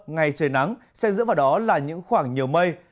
ngày trời nắng xe dưỡng vào đó là những khoảng nhiều mây